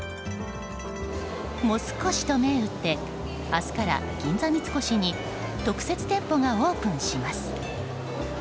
モス越と銘打って明日から銀座三越に特設店舗がオープンします。